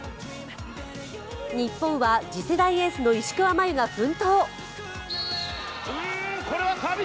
日本は次世代エースの石川真佑が奮闘。